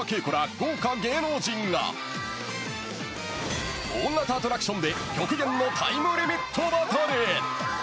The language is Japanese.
豪華芸能人が大型アトラクションで極限のタイムリミットバトル！